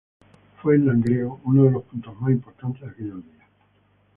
Fue en Langreo, uno de los puntos más importantes de aquellos días.